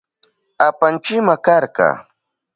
Apanchima karka.